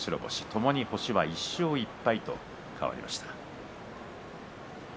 ともに１勝１敗と変わりました。